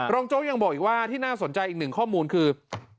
โจ๊กยังบอกอีกว่าที่น่าสนใจอีกหนึ่งข้อมูลคือ